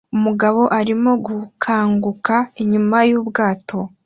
Umugabo arimo gukanguka inyuma yubwato